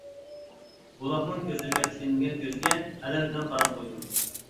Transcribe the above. بۇلاقنىڭ كۆزلىرىگە تىكىلمىگەن كۆزىگە ئەلەم بىلەن قاراپ قويدۇم.